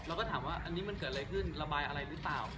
เราก็ถามว่าอันนี้มันเกิดอะไรขึ้นระบายอะไรหรือเปล่า